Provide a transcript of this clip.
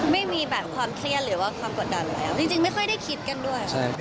ไม่มีแบบความเครียดหรือว่าความกดดันแล้วจริงไม่ค่อยได้คิดกันด้วย